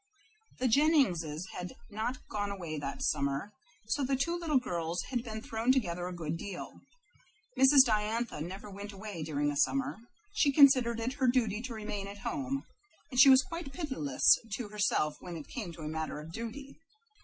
The Jenningses had not gone away that summer, so the two little girls had been thrown together a good deal. Mrs. Diantha never went away during a summer. She considered it her duty to remain at home, and she was quite pitiless to herself when it came to a matter of duty.